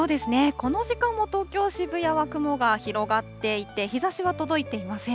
この時間も東京・渋谷は雲が広がっていて、日ざしは届いていません。